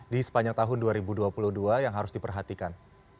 di sepanjang tahun dua ribu dua puluh dua yang harus diperhatikan